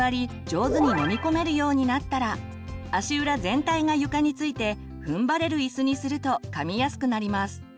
上手に飲み込めるようになったら足裏全体が床についてふんばれる椅子にするとかみやすくなります。